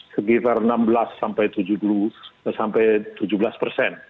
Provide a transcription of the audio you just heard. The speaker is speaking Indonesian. sekitar enam belas sampai tujuh belas persen